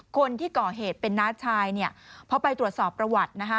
คนที่ก่อเหตุเป็นน้าชายเพราะไปตรวจสอบประวัติ